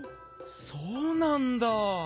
そうなんだ。